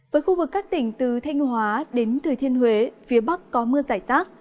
với khu vực các tỉnh từ thanh hóa đến thừa thiên huế phía bắc có mưa xảy xác